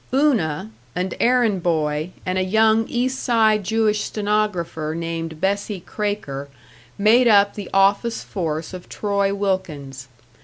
§ 3 Una, an errand boy, and a young East Side Jewish stenographer named Bessie Kraker made up the office force of Troy Wilkins.